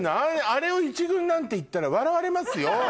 あれを１軍なんて言ったら笑われますよ。